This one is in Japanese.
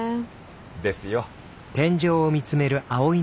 ですよ。